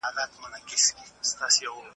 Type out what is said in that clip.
ملي ګټې تر هر څه لوړې دي.